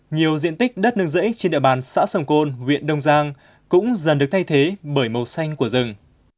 nhiều diện tích đất nương rẫy trên địa bàn xã sầm côn huyện đông giang cũng dần được thay thế bởi màu xanh của rừng